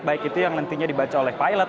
baik itu yang nantinya dibaca oleh pilot